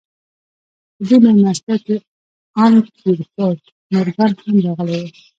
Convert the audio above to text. په دې مېلمستيا کې ان پيرپونټ مورګان هم راغلی و.